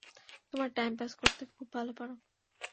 তোমরা time pass করতে খুব ভাল পারো।